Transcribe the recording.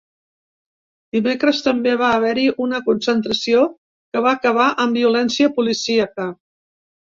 Dimecres també va haver-hi una concentració que va acabar amb violència policíaca.